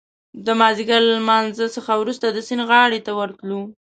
د مازدیګر له لمانځه څخه وروسته د سیند غاړې ته ووتلو.